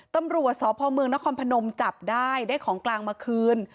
ตำรวจสพเมืองนครพนมจับได้ได้ของกลางมาคืน